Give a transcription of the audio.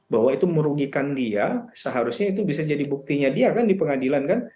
bahwa itu merugikan dia seharusnya itu bisa jadi buktinya dia kan di pengadilan kan